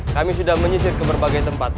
kami sudah menyisir ke berbagai tempat